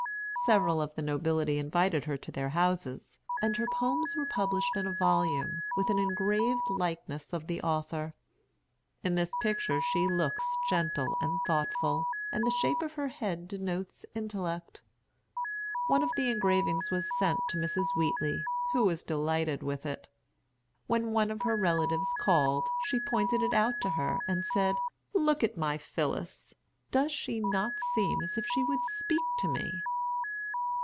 Several of the nobility invited her to their houses; and her poems were published in a volume, with an engraved likeness of the author. In this picture she looks gentle and thoughtful, and the shape of her head denotes intellect. One of the engravings was sent to Mrs. Wheatley, who was delighted with it. When one of her relatives called, she pointed it out to her, and said, "Look at my Phillis! Does she not seem as if she would speak to me?"